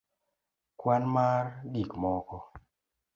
kwan mar gik moko